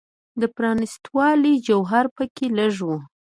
د پرانیستوالي جوهر په کې لږ و.